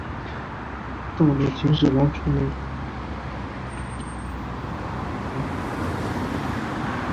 到秦始皇初年成为了秦国最重要的将领之一。